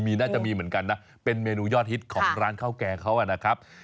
น่าจะมีเหมือนกันนะเป็นเมนูยอดฮิตของร้านข้าวแกงเขานะครับ